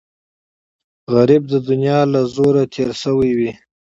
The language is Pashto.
غریب د دنیا له زوره تېر شوی وي